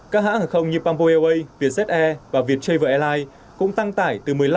các hãng hàng không như pambo airways vietjet air và viettraver airlines cũng tăng tải từ một mươi năm đến hai mươi dịp cao điểm cuối năm